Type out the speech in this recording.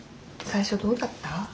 最初どうだった？